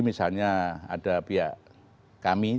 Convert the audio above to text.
misalnya ada pihak kami